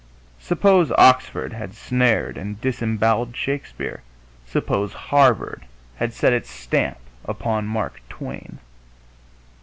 Suppose Oxford had snared and disemboweled Shakespeare! Suppose Harvard had set its stamp upon Mark Twain!